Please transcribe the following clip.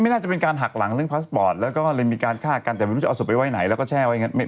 น่าจะเป็นการหักหลังเรื่องพาสปอร์ตแล้วก็เลยมีการฆ่ากันแต่ไม่รู้จะเอาศพไปไว้ไหนแล้วก็แช่ไว้อย่างนั้น